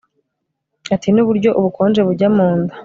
ati nuburyo ubukonje bujya munda